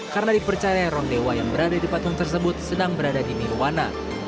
karena dipercaya rondewa yang berada di patung tersebut sedang berada di minuwana